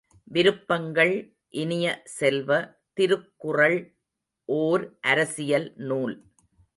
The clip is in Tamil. விருப்பங்கள் இனிய செல்வ, திருக்குறள் ஓர் அரசியல் நூல்.